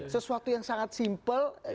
sesuatu yang sangat simpel